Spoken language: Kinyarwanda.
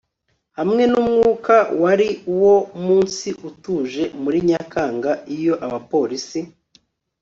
hamwe numwuka wari uwo munsi utuje muri nyakanga iyo abapolisi